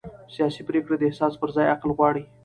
سیاسي پرېکړې د احساس پر ځای عقل غواړي